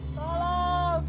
salam salam tolong dikabir